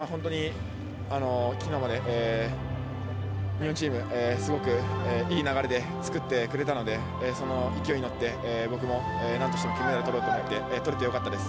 そうですね、本当にきのうまで日本チーム、すごくいい流れで作ってくれたので、その勢いに乗って僕もなんとしても金メダルとろうと思って、とれてよかったです。